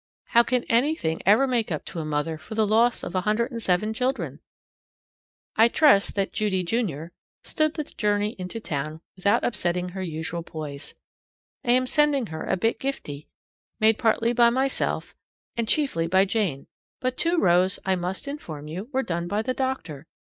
How can anything ever make up to a mother for the loss of 107 children? I trust that Judy, junior, stood the journey into town without upsetting her usual poise. I am sending her a bit giftie, made partly by myself and chiefly by Jane. But two rows, I must inform you, were done by the doctor.